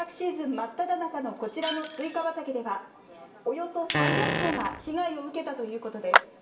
真っただ中のこちらのスイカ畑では、およそ３００個が被害を受けたということです。